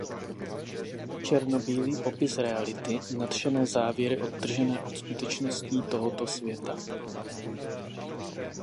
Černobílý popis reality, nadšené závěry odtržené od skutečností tohoto světa.